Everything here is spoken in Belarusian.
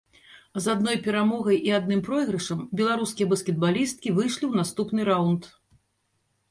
З адной перамогай і адным пройгрышам беларускія баскетбалісткі выйшлі ў наступны раўнд.